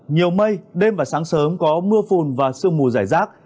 nhiều mây đêm và sáng sớm có mưa phùn và sương mù giải rác